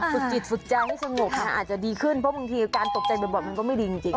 ฝึกจิตฝึกใจให้สงบนะอาจจะดีขึ้นเพราะบางทีการตกใจบ่อยมันก็ไม่ดีจริง